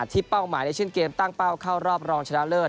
เป้าหมายในเช่นเกมตั้งเป้าเข้ารอบรองชนะเลิศ